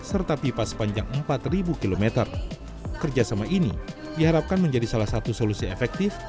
serta pipa sepanjang empat ribu kilometer kerjasama ini diharapkan menjadi salah satu solusi efektif